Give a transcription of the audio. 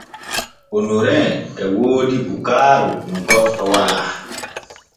Onorin e woodi bukaaru nu goɗɗo walaa.